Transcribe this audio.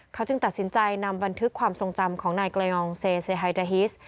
เขาจึงตัดสินใจนำบันทึกความทรงจำของนายเกลยองเซไฮดาฮิส